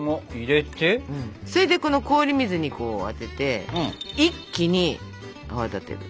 それでこの氷水にあてて一気に泡立てる。